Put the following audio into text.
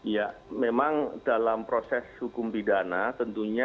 ya memang dalam proses hukum pidana tentunya